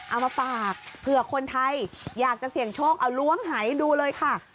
เอามาฝากเผื่อคนไทยอยากจะเสี่ยงโชคเอาล้วงหายดูเลยค่ะ